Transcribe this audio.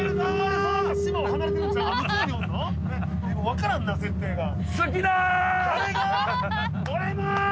分からんな設定が。